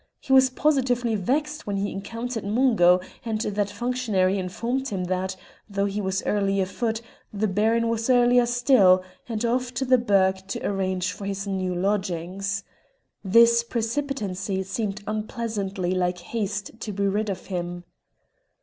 He was positively vexed when he encountered Mungo, and that functionary informed him that, though he was early afoot, the Baron was earlier still, and off to the burgh to arrange for his new lodgings. This precipitancy seemed unpleasantly like haste to be rid of him.